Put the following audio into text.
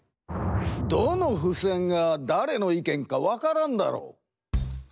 どのふせんがだれの意見か分からんだろう。